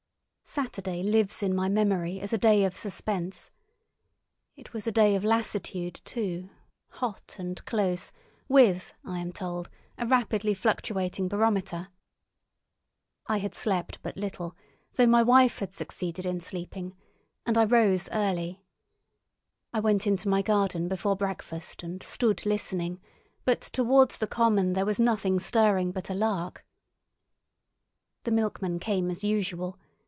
Saturday lives in my memory as a day of suspense. It was a day of lassitude too, hot and close, with, I am told, a rapidly fluctuating barometer. I had slept but little, though my wife had succeeded in sleeping, and I rose early. I went into my garden before breakfast and stood listening, but towards the common there was nothing stirring but a lark. The milkman came as usual.